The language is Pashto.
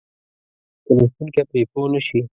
که لوستونکی پرې پوه نه شي.